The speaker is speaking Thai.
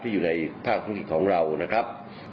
อยู่ในภาคธุรกิจของเรานะครับ